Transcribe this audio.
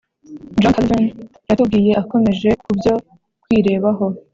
John Calvin yatubwiye akomeje ku byo kwirebaho,